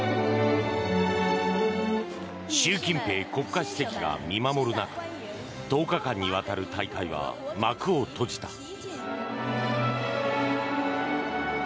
習近平国家主席が見守る中１０日間にわたる大会は幕を閉じた。